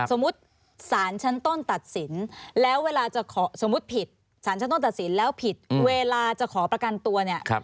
สมมุติสารชั้นต้นตัดสินแล้วเวลาจะขอสมมุติผิดสารชั้นต้นตัดสินแล้วผิดเวลาจะขอประกันตัวเนี่ย